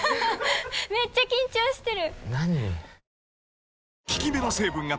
めっちゃ緊張してる。